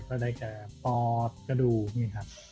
ก็ได้การต่อกระดูก